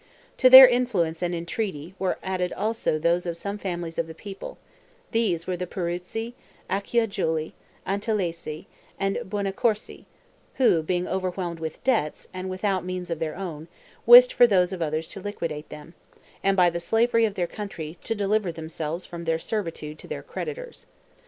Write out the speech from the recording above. To their influence and entreaty were also added those of some families of the people; these were the Peruzzi, Acciajuoli, Antellesi, and Buonaccorsi, who, being overwhelmed with debts, and without means of their own, wished for those of others to liquidate them, and, by the slavery of their country, to deliver themselves from their servitude to their creditors.